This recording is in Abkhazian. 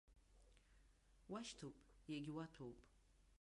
Уашьҭоуп, иагьуаҭәоуп.